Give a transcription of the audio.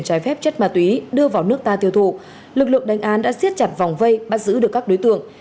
trái phép chất ma túy đưa vào nước ta tiêu thụ lực lượng đánh án đã xiết chặt vòng vây bắt giữ được các đối tượng